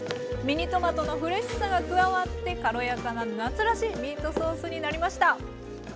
ミニトマトのフレッシュさが加わって軽やかな夏らしいミートソースになりました。